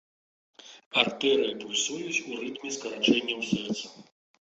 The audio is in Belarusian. Артэрыі пульсуюць ў рытме скарачэнняў сэрца.